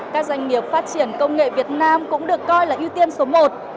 các doanh nghiệp phát triển công nghệ việt nam cũng được coi là ưu tiên số một